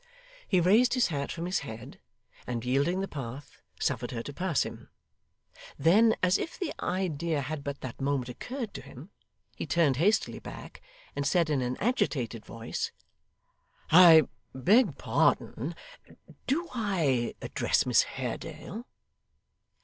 He raised his hat from his head, and yielding the path, suffered her to pass him. Then, as if the idea had but that moment occurred to him, he turned hastily back and said in an agitated voice: 'I beg pardon do I address Miss Haredale?